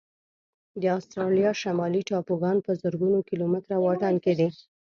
د استرالیا شمالي ټاپوګان په زرګونو کيلومتره واټن کې دي.